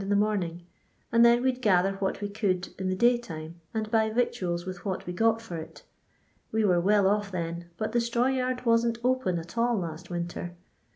in the morning, and then we 'd gather what we could in the daytime and buy victuals with what wc got for it We were well off then, but the straw yard wasn't open at all last win tec.